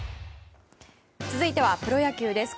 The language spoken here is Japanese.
続いてはプロ野球です。